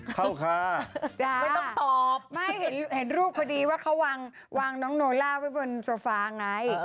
เห็นรูปพอดีว่าเขาวางน้องโน้าล่าไปบนโซฟาไง